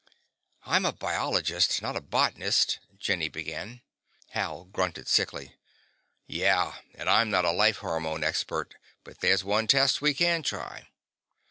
"I'm a biologist, not a botanist " Jenny began. Hal grunted sickly. "Yeah. And I'm not a life hormone expert. But there's one test we can try."